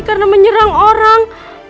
karena menyerang orang